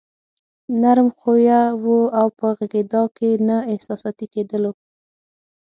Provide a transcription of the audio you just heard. نرم خويه وو او په غږېدا کې نه احساساتي کېدلو.